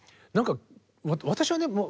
何か私はね